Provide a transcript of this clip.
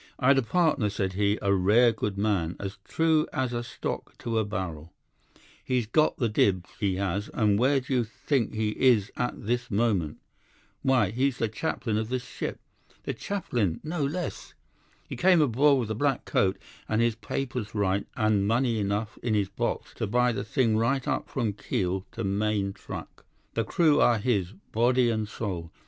"'"I'd a partner," said he, "a rare good man, as true as a stock to a barrel. He's got the dibbs, he has, and where do you think he is at this moment? Why, he's the chaplain of this ship—the chaplain, no less! He came aboard with a black coat, and his papers right, and money enough in his box to buy the thing right up from keel to main truck. The crew are his, body and soul.